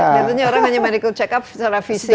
biasanya orang hanya medical check up secara fisik